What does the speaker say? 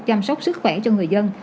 chăm sóc sức khỏe cho người dân